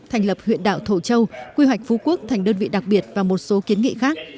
thành lập huyện đảo thổ châu quy hoạch phú quốc thành đơn vị đặc biệt và một số kiến nghị khác